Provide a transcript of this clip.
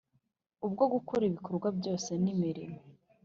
ubwo gukora ibikorwa byose n imirimo